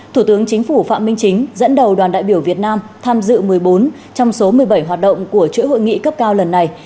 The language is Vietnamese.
thủ tướng chính phủ phạm minh chính dẫn đầu đoàn đại biểu việt nam tham dự một mươi bốn trong số một mươi bảy hoạt động của chuỗi hội nghị cấp cao lần này